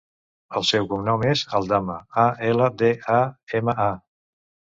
El seu cognom és Aldama: a, ela, de, a, ema, a.